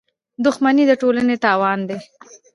• دښمني د ټولنې تاوان دی.